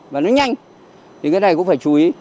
và nó nhanh thì cái này cũng phải chú ý